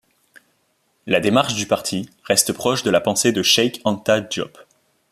La démarche du parti reste proche de la pensée de Cheikh Anta Diop.